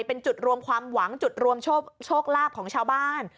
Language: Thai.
เป็นจุดรวมความหวังจุดรวมโชคลาภของชาวบ้าน